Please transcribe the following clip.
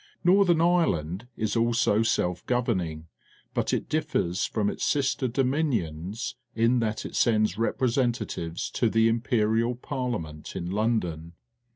Northern Ireland is also self governing, but it differs from its sister Dominions in that it sends representatives to the Imperial ParUa ment at London.